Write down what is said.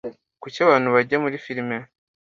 Kuki abantu bajya muri firime?